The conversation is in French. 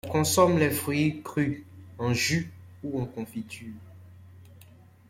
On consomme les fruits crus, en jus ou en confiture.